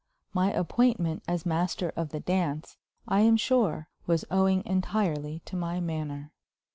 My appointment as Master of the Dance, I am sure, was owing entirely to my manner.